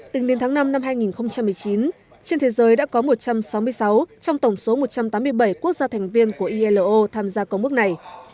tính đến tháng năm năm hai nghìn một mươi chín trên thế giới đã có một trăm sáu mươi sáu trong tổng số một trăm tám mươi bảy quốc gia thành viên của ilo tham gia công ước này